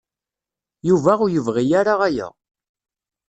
Yuba ur yebɣi ara aya.